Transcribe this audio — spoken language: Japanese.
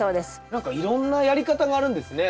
何かいろんなやり方があるんですね。